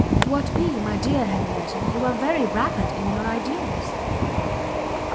"What be, my dear Henrietta? you are very rapid in your ideas!"